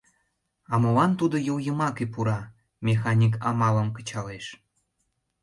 — А молан тудо йол йымаке пура, — Механик амалым кычалеш.